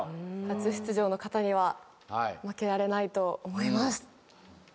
初出場の方には負けられないと思います。